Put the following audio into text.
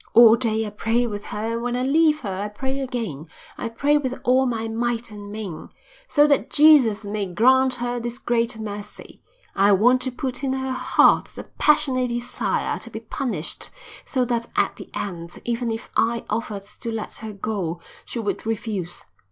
"All day I pray with her and when I leave her I pray again, I pray with all my might and main, so that Jesus may grant her this great mercy. I want to put in her heart the passionate desire to be punished so that at the end, even if I offered to let her go, she would refuse.